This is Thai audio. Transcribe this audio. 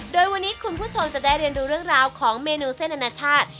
โดยวันนี้คุณผู้ชมจะได้เรียนดูเรื่องราวของเมนูเส้นอนาชาติ